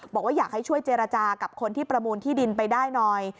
บอกว่าอยากให้ช่วยเจรจากับคนที่ประมูลที่ดินไปได้หน่อย